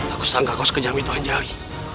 aku sangka kau sekejami tuhan jari